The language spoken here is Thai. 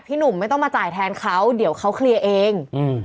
หนุ่มไม่ต้องมาจ่ายแทนเขาเดี๋ยวเขาเคลียร์เอง